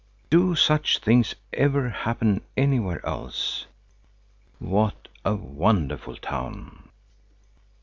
Do such things ever happen anywhere else? What a wonderful town!"